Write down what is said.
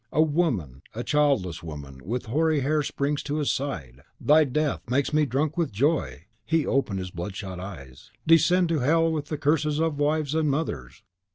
A woman a childless woman, with hoary hair springs to his side, "Thy death makes me drunk with joy!" He opened his bloodshot eyes, "Descend to hell with the curses of wives and mothers!"